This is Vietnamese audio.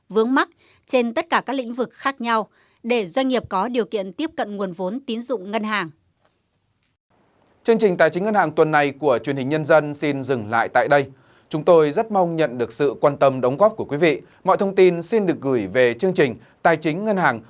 vướng mắt trên tất cả các lĩnh vực khác nhau để doanh nghiệp có điều kiện tiếp cận nguồn vốn tín dụng ngân hàng